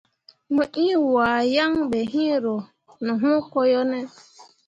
Mo ĩĩ wahe yaŋ be iŋ ro ne hũũ ko yo ne ?